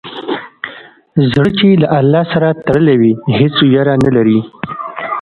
زړه چې له الله سره تړلی وي، هېڅ ویره نه لري.